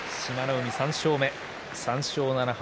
海、３勝目、３勝７敗。